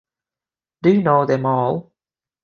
Do you know them all?